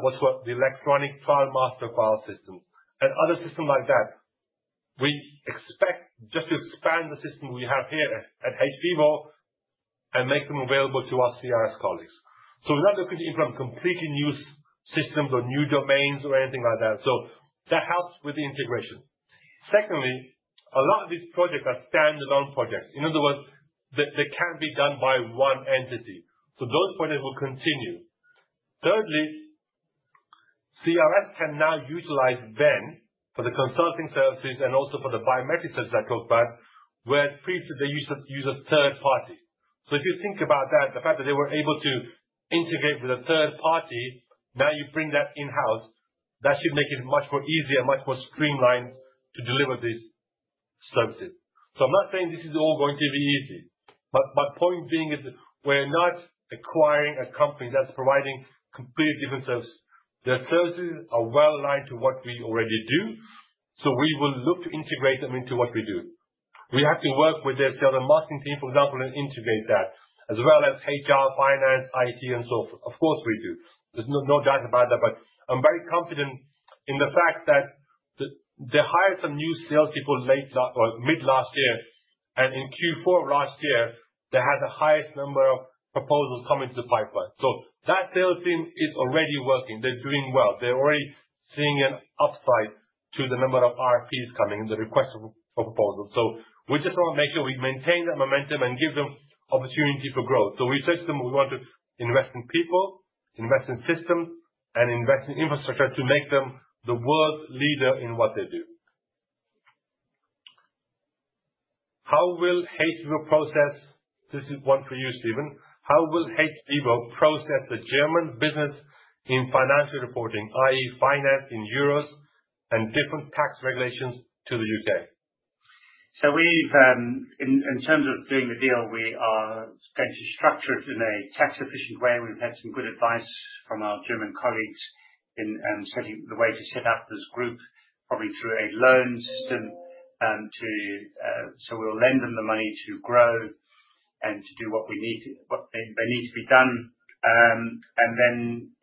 what's called the electronic trial master file systems and other systems like that, we expect just to expand the system we have here at hVIVO and make them available to our CRS colleagues. So, we're not looking to implement completely new systems or new domains or anything like that. So, that helps with the integration. Secondly, a lot of these projects are standalone projects. In other words, they can't be done by one entity. So, those projects will continue. Thirdly, CRS can now utilize Venn for the consulting services and also for the biometric services I talked about where previously they used a third party. So, if you think about that, the fact that they were able to integrate with a third party, now you bring that in-house, that should make it much more easier and much more streamlined to deliver these services. So, I'm not saying this is all going to be easy. But my point being is we're not acquiring a company that's providing completely different services. Their services are well aligned to what we already do. So, we will look to integrate them into what we do. We have to work with their sales and marketing team, for example, and integrate that as well as HR, finance, IT, and so forth. Of course, we do. There's no doubt about that. I'm very confident in the fact that they hired some new salespeople late or mid last year. In Q4 of last year, they had the highest number of proposals coming to the pipeline. That sales team is already working. They're doing well. They're already seeing an upside to the number of RFPs coming and the requests for proposals. We just want to make sure we maintain that momentum and give them opportunity for growth. We said to them, we want to invest in people, invest in systems, and invest in infrastructure to make them the world leader in what they do. How will hVIVO process this is one for you, Stephen. How will hVIVO process the German business in financial reporting, i.e., finance in euros and different tax regulations to the U.K.? In terms of doing the deal, we are going to structure it in a tax-efficient way. We've had some good advice from our German colleagues in setting the way to set up this group, probably through a loan system. We'll lend them the money to grow and to do what needs to be done.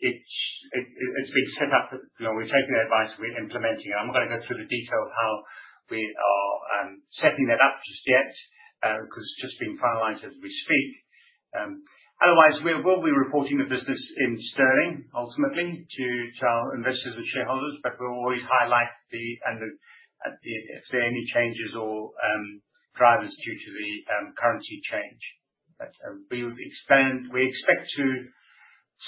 It's being set up. We're taking their advice. We're implementing it. I'm not going to go through the detail of how we are setting that up just yet because it's just being finalized as we speak. Otherwise, we'll be reporting the business in sterling ultimately to our investors and shareholders. We'll always highlight if there are any changes or drivers due to the currency change. We expect to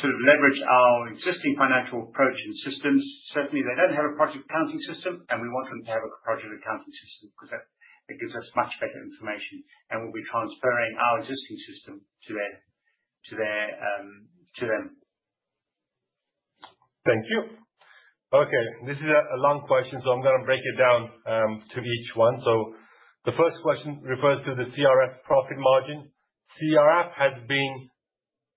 sort of leverage our existing financial approach and systems. Certainly, they don't have a project accounting system. We want them to have a project accounting system because it gives us much better information. We'll be transferring our existing system to them. Thank you. Okay, this is a long question. I'm going to break it down to each one. The first question refers to the CRS profit margin. CRS has been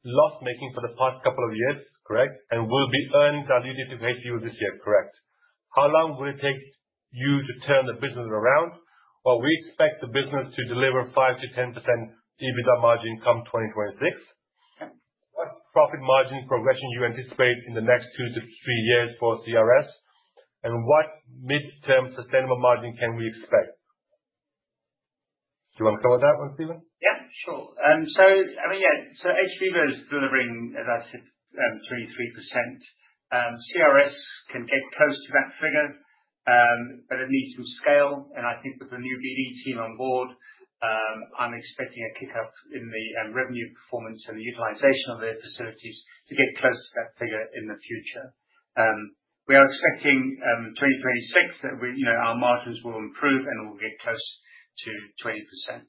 loss-making for the past couple of years, correct? And will be earnings dilutive to hVIVO this year, correct? How long will it take you to turn the business around? We expect the business to deliver 5%-10% EBITDA margin come 2026. What profit margin progression do you anticipate in the next two to three years for CRS? And what mid-term sustainable margin can we expect? Do you want to cover that one, Stephen? Yeah, sure. So, I mean, yeah. So, hVIVO is delivering, as I said, two to three percent. CRS can get close to that figure, but it needs some scale, and I think with the new BD team on board, I'm expecting a pick-up in the revenue performance and the utilization of their facilities to get close to that figure in the future. We are expecting 2026 that our margins will improve and we'll get close to 20%.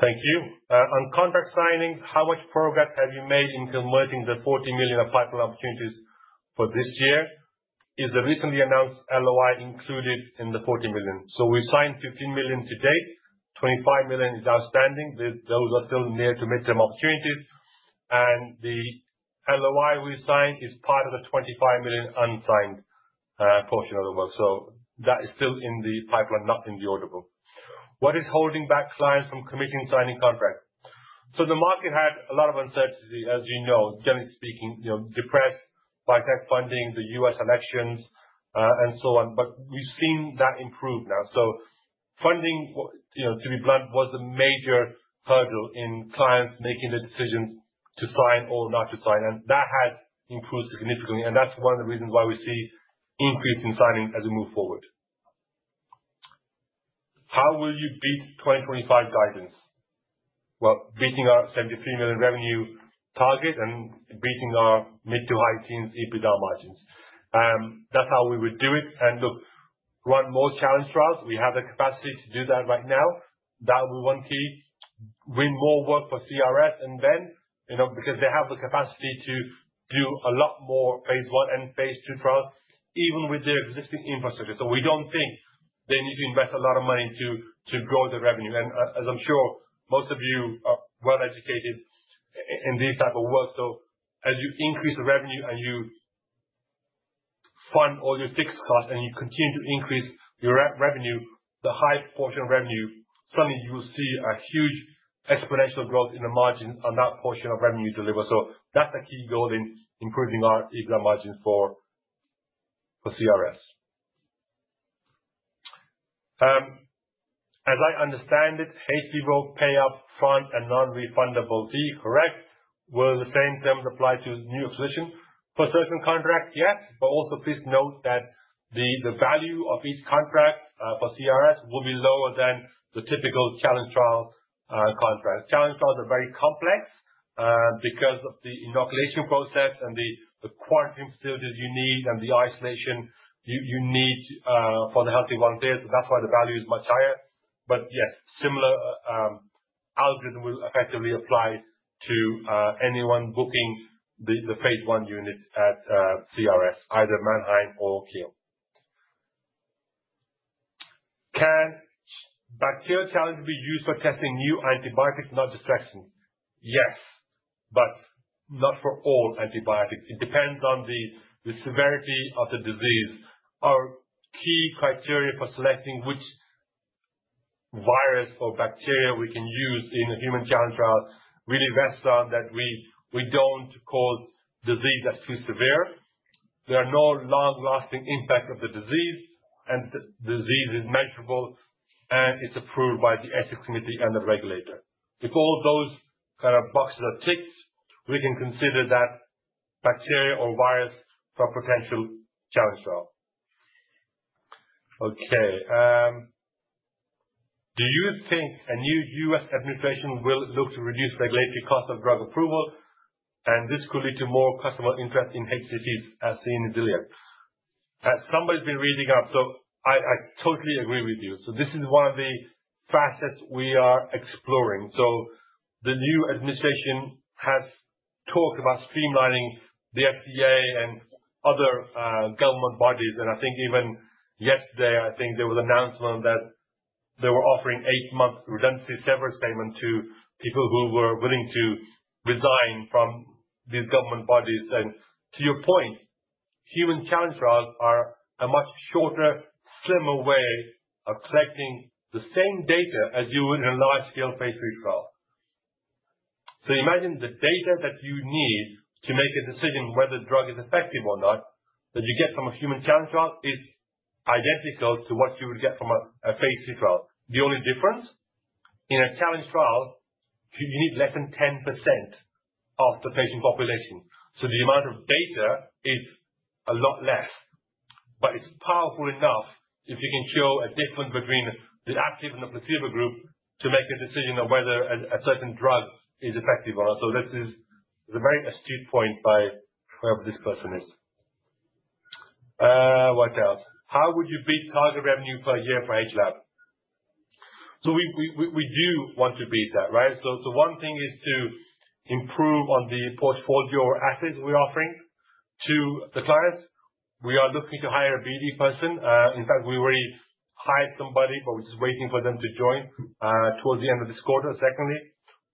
Thank you. On contract signings, how much progress have you made in converting the 40 million of pipeline opportunities for this year? Is the recently announced LOI included in the 40 million? So we signed 15 million to date. 25 million is outstanding. Those are still near to midterm opportunities, and the LOI we signed is part of the 25 million unsigned portion of the work. So that is still in the pipeline, not in the order book. What is holding back clients from committing signing contracts? The market had a lot of uncertainty, as you know, generally speaking, depressed by tech funding, the U.S. elections, and so on. We've seen that improve now. Funding, to be blunt, was the major hurdle in clients making the decision to sign or not to sign. That has improved significantly. That's one of the reasons why we see an increase in signing as we move forward. How will you beat 2025 guidance? Beating our 73 million revenue target and beating our mid- to high-teens EBITDA margins. That's how we would do it. Look, run more challenge trials. We have the capacity to do that right now. That will be one key. Win more work for CRS and Venn because they have the capacity to do a lot more Phase I and Phase II trials even with their existing infrastructure. We don't think they need to invest a lot of money to grow the revenue. As I'm sure most of you are well educated in this type of work. As you increase the revenue and you fund all your fixed costs and you continue to increase your revenue, the high portion of revenue, suddenly you will see a huge exponential growth in the margin on that portion of revenue delivered. That's the key goal in improving our EBITDA margin for CRS. As I understand it, hVIVO pay up front and non-refundable fee, correct? Will the same terms apply to new acquisition? For certain contracts, yes, but also, please note that the value of each contract for CRS will be lower than the typical challenge trial contract. Challenge trials are very complex because of the inoculation process and the quarantine facilities you need and the isolation you need for the healthy volunteers. So, that's why the value is much higher. But yes, similar algorithm will effectively apply to anyone booking the Phase I unit at CRS, either Mannheim or Kiel. Can bacterial challenge be used for testing new antibiotics, not just vaccines? Yes, but not for all antibiotics. It depends on the severity of the disease. Our key criteria for selecting which virus or bacteria we can use in a human challenge trial really rests on that we don't cause disease that's too severe. There are no long-lasting impacts of the disease. And the disease is measurable. And it's approved by the ethics committee and the regulator. If all those kind of boxes are ticked, we can consider that bacteria or virus for a potential challenge trial. Okay. Do you think a new U.S. administration will look to reduce regulatory costs of drug approval? This could lead to more customer interest in HCTs, as seen in the ILiAD. Somebody's been reading up. I totally agree with you. This is one of the facets we are exploring. The new administration has talked about streamlining the FDA and other government bodies. I think even yesterday, I think there was an announcement that they were offering eight-month redundancy severance payment to people who were willing to resign from these government bodies. To your point, human challenge trials are a much shorter, slimmer way of collecting the same data as you would in a large-scale Phase III trial. Imagine the data that you need to make a decision whether the drug is effective or not that you get from a human challenge trial is identical to what you would get from a Phase III trial. The only difference, in a challenge trial, you need less than 10% of the patient population. The amount of data is a lot less. But it's powerful enough if you can show a difference between the active and the placebo group to make a decision on whether a certain drug is effective or not. This is a very astute point by whoever this person is. What else? How would you beat target revenue per year for hLAB? We do want to beat that, right? One thing is to improve on the portfolio or assays we're offering to the clients. We are looking to hire a BD person. In fact, we already hired somebody, but we're just waiting for them to join towards the end of this quarter, secondly.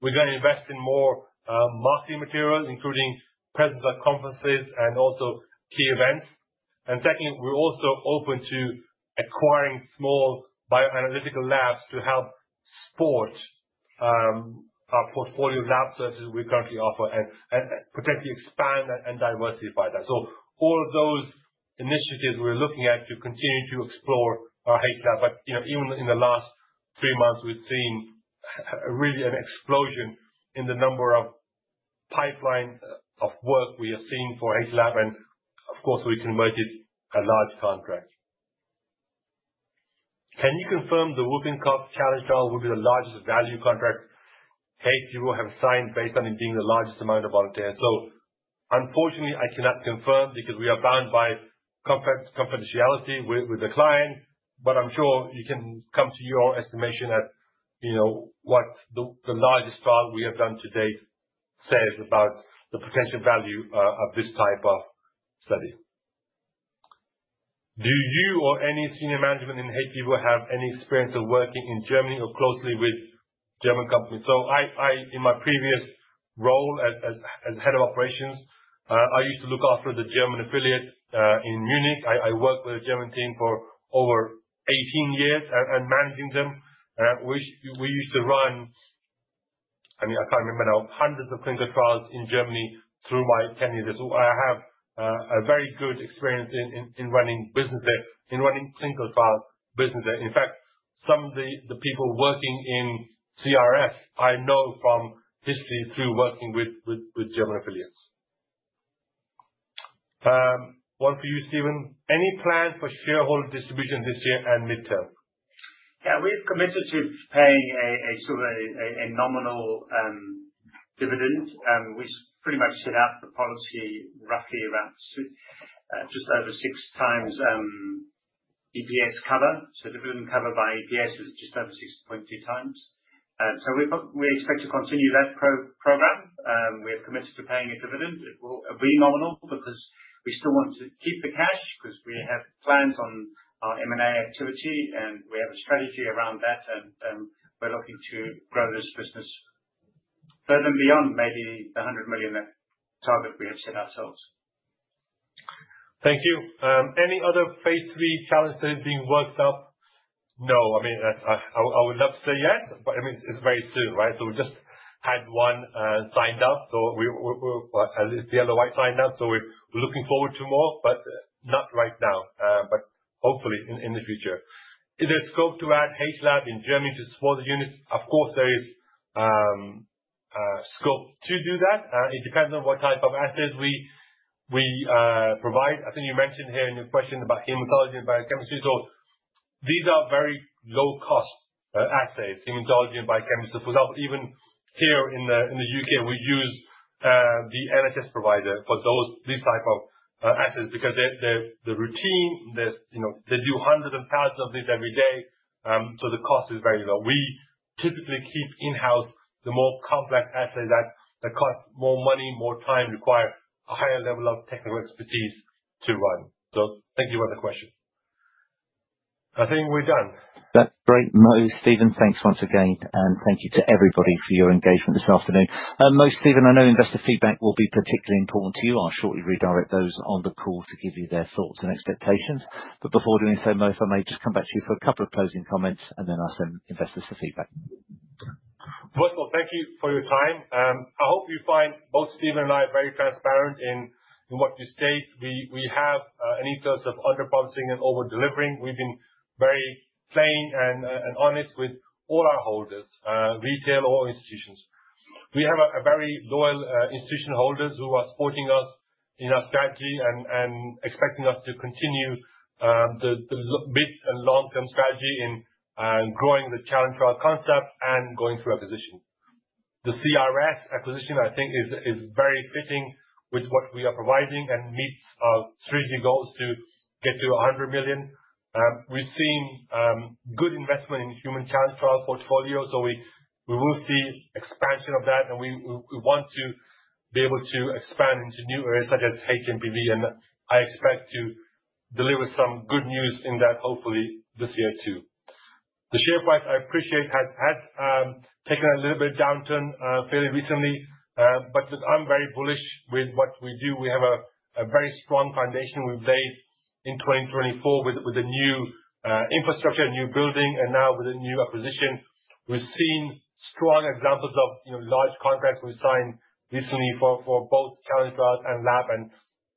We're going to invest in more marketing materials, including presence at conferences and also key events. And secondly, we're also open to acquiring small bioanalytical labs to help support our portfolio lab services we currently offer and potentially expand and diversify that. So, all of those initiatives we're looking at to continue to explore our hLAB. But even in the last three months, we've seen really an explosion in the number of pipelines of work we have seen for hLAB. And of course, we converted a large contract. Can you confirm the whooping cough challenge trial will be the largest value contract hVIVO have signed based on it being the largest amount of volunteers? So, unfortunately, I cannot confirm because we are bound by confidentiality with the client. But I'm sure you can come to your estimation as what the largest trial we have done to date says about the potential value of this type of study. Do you or any senior management in hVIVO have any experience of working in Germany or closely with German companies? So, in my previous role as head of operations, I used to look after the German affiliate in Munich. I worked with a German team for over 18 years and managing them. We used to run, I mean, I can't remember now, hundreds of clinical trials in Germany through my tenure there. So, I have a very good experience in running clinical trials business there. In fact, some of the people working in CRS I know from history through working with German affiliates. One for you, Stephen. Any plans for shareholder distribution this year and midterm? Yeah, we've committed to paying a nominal dividend. We've pretty much set out the policy roughly around just over six times EPS cover. So, dividend cover by EPS is just over 6.2 times. So, we expect to continue that program. We have committed to paying a dividend. It will be nominal because we still want to keep the cash because we have plans on our M&A activity. And we have a strategy around that. And we're looking to grow this business further and beyond maybe the 100 million target we have set ourselves. Thank you. Any other Phase III challenge that is being worked up? No. I mean, I would love to say yes. But I mean, it's very soon, right? So, we just had one signed up. So, it's the ILiAD signed up. So, we're looking forward to more, but not right now. But hopefully in the future. Is there scope to add hLAB in Germany to support the units? Of course, there is scope to do that. It depends on what type of assays we provide. I think you mentioned here in your question about hematology and biochemistry. So, these are very low-cost assays, hematology and biochemistry. For example, even here in the UK, we use the NHS provider for these types of assays because the routine, they do hundreds and thousands of these every day. So, the cost is very low. We typically keep in-house the more complex assays that cost more money, more time, require a higher level of technical expertise to run. So, thank you for the question. I think we're done. That's great, Mo and Stephen. Thanks once again, and thank you to everybody for your engagement this afternoon. Mo and Stephen, I know investor feedback will be particularly important to you. I'll shortly redirect those on the call to give you their thoughts and expectations. But before doing so, Mo, if I may just come back to you for a couple of closing comments and then ask the investors for feedback. Wonderful. Thank you for your time. I hope you find both Stephen and I very transparent in what we state. We have an ethos of underpromising and overdelivering. We've been very plain and honest with all our holders, retail or institutional. We have very loyal institutional holders who are supporting us in our strategy and expecting us to continue the mid- and long-term strategy in growing the challenge trial concept and going through acquisition. The CRS acquisition, I think, is very fitting with what we are providing and meets our strategic goals to get to 100 million. We've seen good investment in human challenge trial portfolio. We will see expansion of that. We want to be able to expand into new areas such as hMPV. I expect to deliver some good news in that, hopefully, this year too. The share price, I appreciate, has taken a little bit of a downturn fairly recently. But I'm very bullish with what we do. We have a very strong foundation we've laid in 2024 with the new infrastructure, new building, and now with a new acquisition. We've seen strong examples of large contracts we've signed recently for both challenge trials and lab and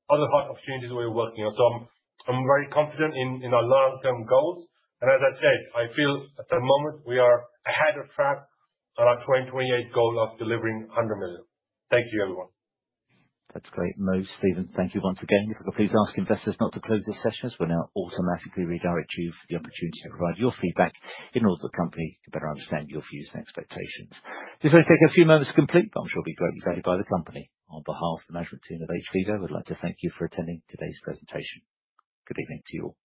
other hot opportunities we're working on. I'm very confident in our long-term goals. As I said, I feel at the moment we are ahead of schedule on our 2028 goal of delivering 100 million. Thank you, everyone. That's great, Mo and Stephen. Thank you once again. If you could please ask investors not to close this session as we'll now automatically redirect you for the opportunity to provide your feedback in order for the company to better understand your views and expectations. This will only take a few moments to complete, but I'm sure it'll be greatly valued by the company. On behalf of the management team of hVIVO, we'd like to thank you for attending today's presentation. Good evening to you all.